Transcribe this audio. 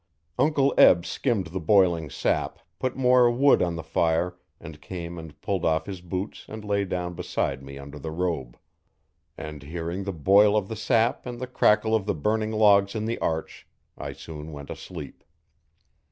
Uncle Eb skimmed the boiling sap, put more wood on the fire and came and pulled off his boots and lay down beside me under the robe. And, hearing the boil of the sap and the crackle of the burning logs in the arch, I soon went asleep.